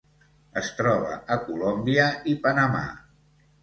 Es troba a Colòmbia i Panamà.